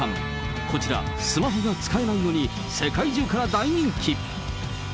こちら、スマホが使えないのに世界中から大人気。